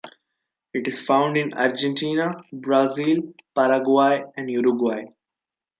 It is found in Argentina, Brazil, Paraguay and Uruguay.